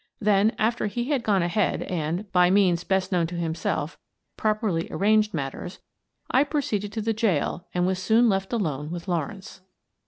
Then, after he had gone ahead and, by means best known to himself, prop erly arranged matters, I proceeded to the jail and was soon left alone with Lawrence.